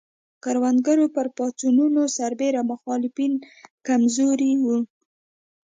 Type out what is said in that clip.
کروندګرو پر پاڅونونو سربېره مخالفین کم زوري وو.